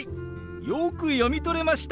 よく読み取れました！